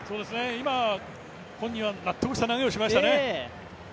今、本人は納得した投げをしましたね。